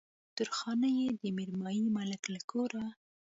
درخانۍ يې د ميرمايي ملک له کوره